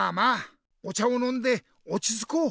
お茶をのんでおちつこう。